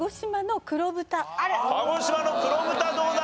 鹿児島の黒豚どうだ？